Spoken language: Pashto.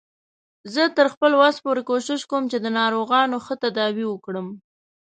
زه تر خپل وس پورې کوښښ کوم چې د ناروغانو ښه تداوی وکړم